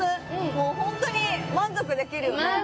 もうホントに満足できるよね